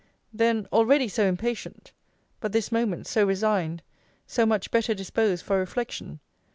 Then, already so impatient! but this moment so resigned, so much better disposed for reflection!